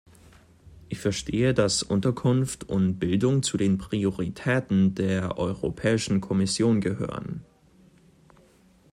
Ich verstehe, dass Unterkunft und Bildung zu den Prioritäten der Europäischen Kommission gehören.